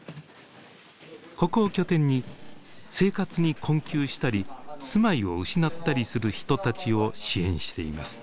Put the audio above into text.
ここを拠点に生活に困窮したり住まいを失ったりする人たちを支援しています。